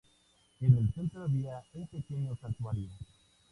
En el centro había un pequeño santuario.